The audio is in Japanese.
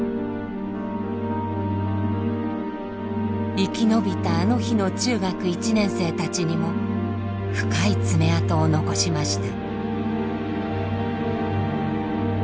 生き延びたあの日の中学１年生たちにも深い爪痕を残しました。